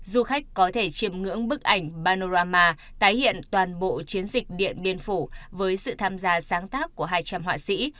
du khách có thể chiêm ngưỡng bức ảnh banrama tái hiện toàn bộ chiến dịch điện biên phủ với sự tham gia sáng tác của hai trăm linh họa sĩ